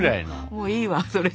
もういいわそれ。